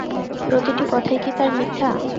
প্রতিটি কথাই কি তার মিথ্যা?